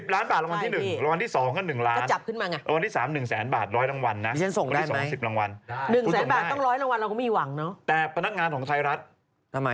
ไปทางทีเอ้ยไปส่งทีไม่เราเป็นพิธีกรเราไม่ได้เป็นพนักงานเราได้